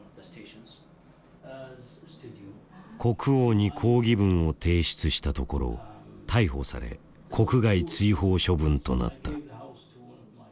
国王に抗議文を提出したところ逮捕され国外追放処分となった。